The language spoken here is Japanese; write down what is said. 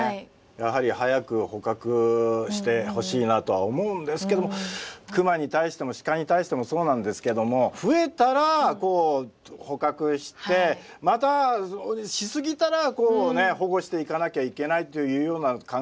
やはり早く捕獲してほしいなとは思うんですけどもクマに対してもシカに対してもそうなんですけども増えたらこう捕獲してまたし過ぎたらこうね保護していかなきゃいけないというような考え方